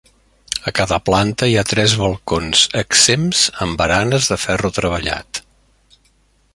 A cada planta hi ha tres balcons exempts amb baranes de ferro treballat.